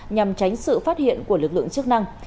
nhằm tránh sự phát hiện của lực lượng chức năng